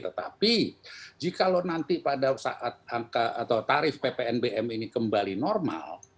tetapi jika nanti pada saat angka atau tarif ppnbm ini kembali normal